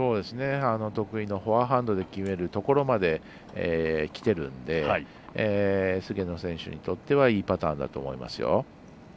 得意のフォアハンドで決めるところまできているので菅野選手にとってはいいパターンだと思いますよ。